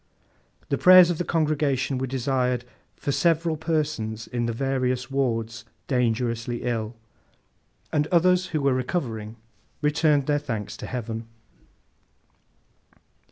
The prayers of the congregation were desired 'for several persons in the various wards dangerously ill;' and others who were recovering returned their thanks to Heaven.